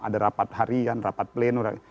ada rapat harian rapat pleno